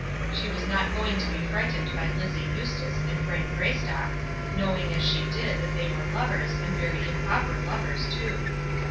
She was not going to be frightened by Lizzie Eustace and Frank Greystock, knowing as she did that they were lovers, and very improper lovers, too.